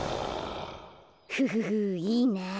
フフフいいなあ。